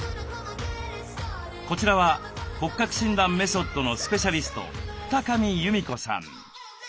こちらは骨格診断メソッドのスペシャリスト二神弓子さん。